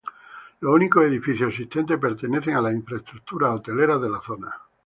Los únicos edificios existentes pertenecen a las infraestructuras hoteleras de la zona.